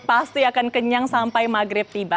pasti akan kenyang sampai maghrib tiba